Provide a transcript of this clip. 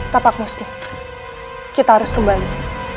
tepat nosti kita harus kembali